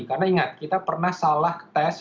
karena ingat kita pernah salah tes